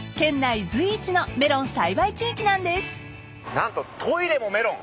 何とトイレもメロン。